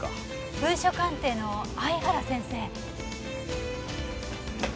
文書鑑定の相原先生？